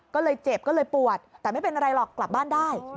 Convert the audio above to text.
ก็เลยเจ็บก็เลยปวดแต่ไม่เป็นอะไรหรอกกลับบ้านได้